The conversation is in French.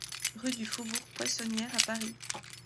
Rue du Faubourg Poissonnière à Paris